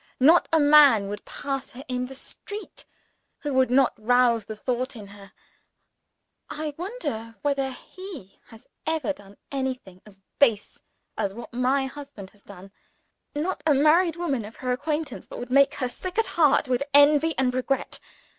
Not a man would pass her in the street, who would not rouse the thought in her 'I wonder whether he has ever done anything as base as what my husband has done.' Not a married woman of her acquaintance, but would make her sick at heart with envy and regret.